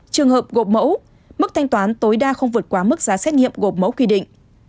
trường hợp gộp mẫu mức thanh toán tối đa không vượt quá mức giá xét nghiệm gộp mẫu quy định